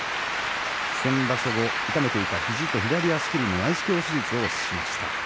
先場所後、痛めていた左足首の内視鏡手術を受けました。